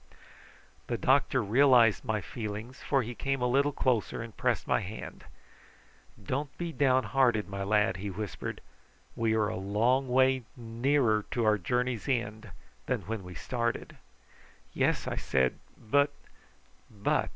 The doctor realised my feelings, for he came a little closer and pressed my hand. "Don't be downhearted, my lad," he whispered; "we are a long way nearer to our journey's end than when we started." "Yes!" I said; "but " "But!